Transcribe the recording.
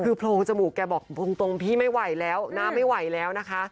คือโพรงจมูกแกบอกตรงพี่ไม่ไหวแล้วน้ำไม่ไหวแล้วนะคะ